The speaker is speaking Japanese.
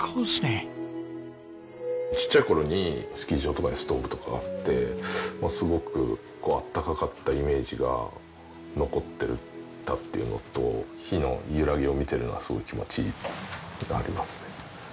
ちっちゃい頃にスキー場とかにストーブとかあってすごく暖かかったイメージが残ってたっていうのと火の揺らぎを見てるのがすごく気持ちいいっていうのはありますね。